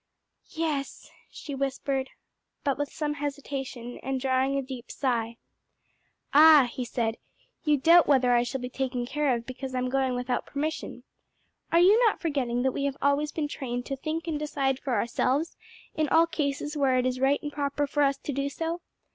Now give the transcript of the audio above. "Yes," she whispered, but with some hesitation, and drawing a deep sigh. "Ah!" he said, "you doubt whether I shall be taken care of because I'm going without permission. Are you not forgetting that we have always been trained to think and decide for ourselves in all cases where it is right and proper for us to do so?